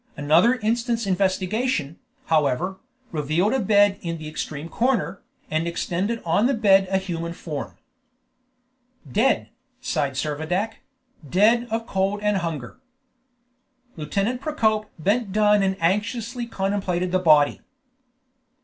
Another instant's investigation, however, revealed a bed in the extreme corner, and extended on the bed a human form. "Dead!" sighed Servadac; "dead of cold and hunger!" Lieutenant Procope bent down and anxiously contemplated the body.